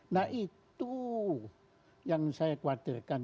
nah itu yang saya khawatirkan